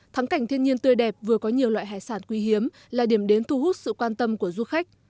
thắng cảnh thiên nhiên tươi đẹp vừa có nhiều loại hải sản quý hiếm là điểm đến thu hút sự quan tâm của du khách